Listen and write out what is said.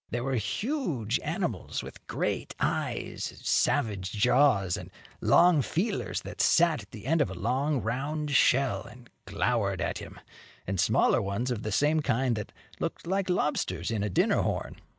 There were huge animals with great eyes, savage jaws and long feelers, that sat in the end of a long, round shell and glowered at him, and smaller ones of the same kind that looked like lobsters in a dinner horn.